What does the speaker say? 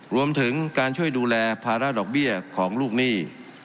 รวมถึงการช่วยดูแลภาระดอกเบี้ยของลูกหนี้